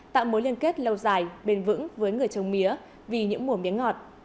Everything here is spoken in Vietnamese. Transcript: tạo mối liên kết lâu dài bền vững với người trồng mía vì những mùa mía ngọt